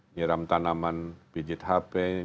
nyiram tanaman pijit hp